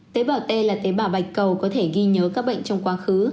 tế bảo t là tế bào bạch cầu có thể ghi nhớ các bệnh trong quá khứ